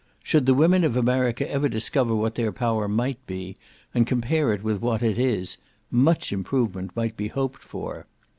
Should the women of America ever discover what their power might be, and compare it with what it is, much improvement might be hoped for.